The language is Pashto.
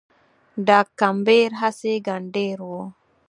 ډاګ کمبېر هسي ګنډېر و